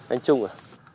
anh trung à